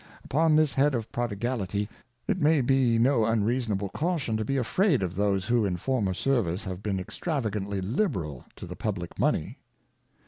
Upon this head of Prodigality, it may be no unreasonable Caution to be afraid of those who in former Service have been extravagantly Liberal of the Publick Money.